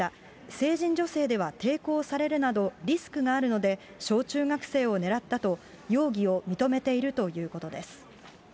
成人女性では抵抗されるなどリスクがあるので、小中学生を狙ったと、容疑を認めているということです。